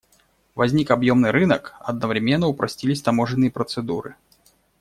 Возник объемный рынок, одновременно упростились таможенные процедуры.